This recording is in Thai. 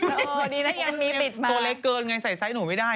พอดีนะยังมีติดมาตัวเล็กเกินไงใส่ไซส์หนูไม่ได้